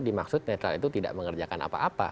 dimaksud netral itu tidak mengerjakan apa apa